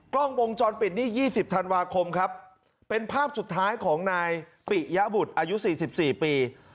กล้องวงจรปิดนี่๒๐ธันวาคมครับเป็นภาพสุดท้ายของนายปิยบุตรอายุ๔๔ปี